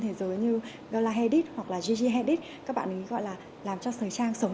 thế giới như hoặc là các bạn ý gọi là làm cho thời trang sống